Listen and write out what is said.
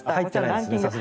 ランキング。